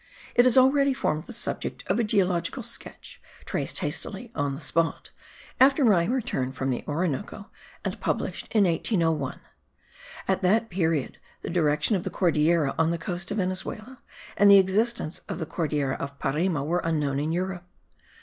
It has already formed the subject of a geological sketch, traced hastily on the spot, after my return from the Orinoco, and published in 1801. At that period the direction of the Cordillera on the coast of Venezuela and the existence of the Cordillera of Parime were unknown in Europe.